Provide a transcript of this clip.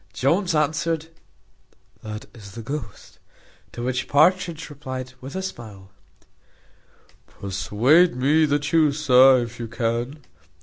Jones answered, "That is the ghost." To which Partridge replied with a smile, "Persuade me to that, sir, if you can.